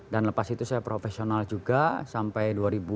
dan lepas itu saya profesional juga sampai dua ribu sebelas dua ribu dua belas